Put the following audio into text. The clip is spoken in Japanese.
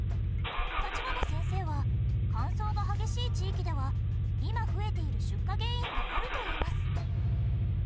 立花先生は乾燥が激しい地域では今増えている出火原因があるといいます。